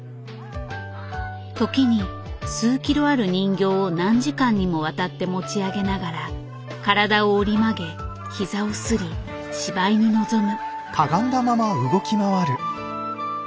時に数キロある人形を何時間にもわたって持ち上げながら体を折り曲げ膝をすり芝居に臨む。